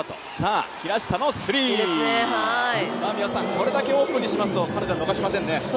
これだけオープンにしますと彼女は逃しませんね。